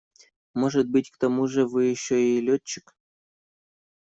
Может быть, к тому же вы еще и летчик?